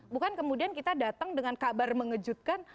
bukan kemudian kita datang dengan kabar mengejutkan